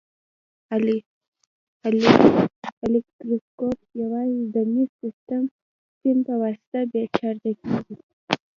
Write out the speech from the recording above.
الکتروسکوپ یوازې د مسي سیم په واسطه بې چارجه کیږي.